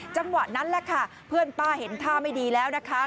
จังหวะนั้นแหละค่ะเพื่อนป้าเห็นท่าไม่ดีแล้วนะคะ